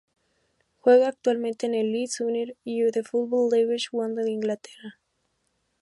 Juega actualmente en el Leeds United del Football League One de Inglaterra.